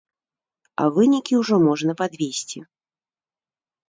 А вынікі ўжо можна падвесці.